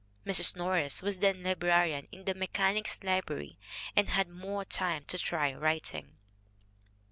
Mrs. Norris was then librarian in the Mechanics' Li brary and had more time to try writing.